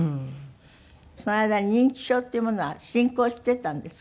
その間に認知症っていうものは進行していったんですか？